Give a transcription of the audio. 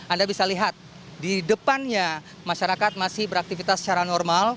anda bisa lihat di depannya masyarakat masih beraktivitas secara normal